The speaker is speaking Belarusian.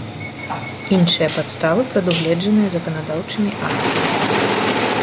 iншыя падставы, прадугледжаныя заканадаўчымi актамi.